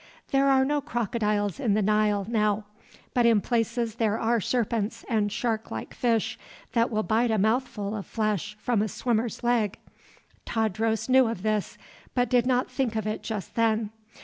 There are no crocodiles in the Nile now; but in places there are serpents and sharklike fish that will bite a mouthful of flesh from a swimmer's leg. Tadros knew of this, but did not think of it just then.